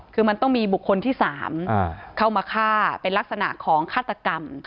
คือมันต้องมีบุคคลที่๓เข้ามาฆ่าเป็นลักษณะของฆาตกรรม